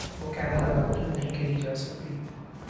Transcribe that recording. وہ کہنے لگا:کیوں نہیں کہی جا سکتی؟